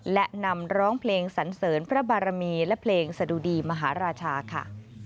และนำร้องเพลงสันเสริญพระบารมีและเพลงสะดุดีมหาราชาค่ะ